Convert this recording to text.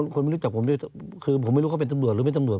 คนไม่รู้จักผมด้วยคือผมไม่รู้เขาเป็นตำรวจหรือไม่ตำรวจ